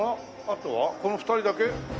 あとはこの２人だけ？